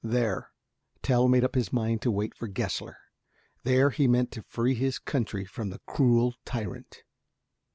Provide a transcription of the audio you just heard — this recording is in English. There Tell made up his mind to wait for Gessler. There he meant to free his country from the cruel tyrant.